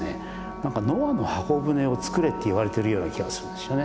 何かノアの方舟を作れって言われてるような気がするんですよね。